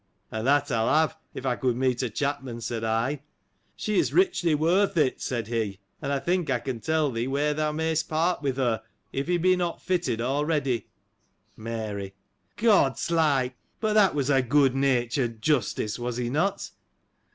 And that I'll have, if I could meet a chapman, said I. She is richly worth it, said he ; and I think, I can tell thee where thou mayst part with her, if he be not fitted already. Mary. — God's like ! but that was a good natured Justice was he not